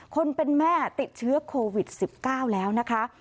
คนเป็นแม่ติดเชื้อโควิด๑๙แล้วนะคะ